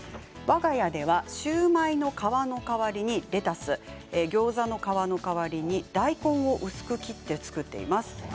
わが家ではシューマイの皮の代わりにレタスギョーザの皮の代わりに大根を薄く切って作っています。